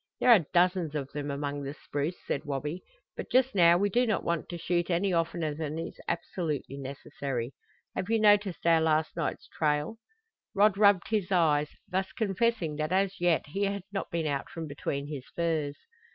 "There are dozens of them among the spruce," said Wabi, "but just now we do not want to shoot any oftener than is absolutely necessary. Have you noticed our last night's trail?" Rod rubbed his eyes, thus confessing that as yet he had not been out from between his furs.